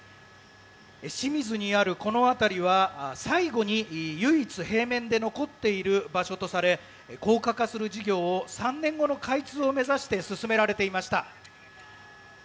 清水にあるこの辺りは最後に唯一平面で残っている場所とされ高架化する事業が３年後の開通を目指して進められていました。